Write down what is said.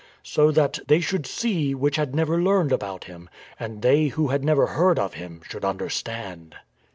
So that "They should see which had never learned about Him, \ And they who had never heard of Him should understand."